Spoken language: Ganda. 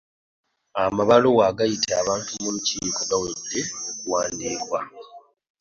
Amabaluwa agayita abantu mu lukiiko gawedde okuwandiika.